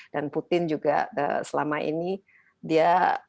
dan putin juga selama ini dia